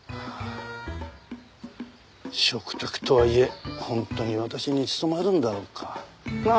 嘱託とはいえ本当に私に務まるんだろうか。なあ？